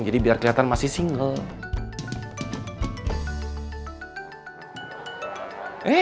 jadi biar kelihatan masih single